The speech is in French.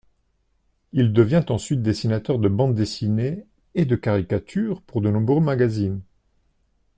Il devient ensuite dessinateur de bande dessinée et de caricatures pour de nombreux magazines.